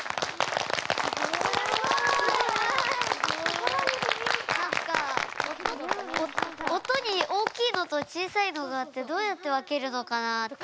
すごい！何か音に大きいのと小さいのがあってどうやって分けるのかなって。